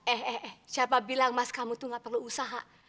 eh eh siapa bilang mas kamu tuh gak perlu usaha